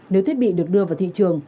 nếu thiết bị được đưa vào thị trường